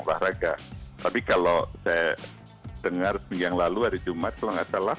pak raga tapi kalau saya dengar seminggu yang lalu hari jumat kalau tidak salah